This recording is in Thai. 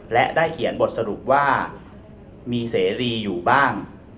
และได้เขียนบทสรุปว่ามีเสรีอยู่บ้าง